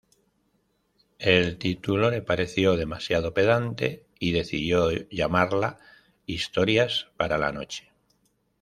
El título le pareció demasiado pedante y decidió llamarla "Historias para la noche".